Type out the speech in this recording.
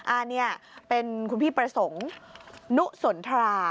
อันนี้เป็นคุณพี่ประสงค์นุสนทรา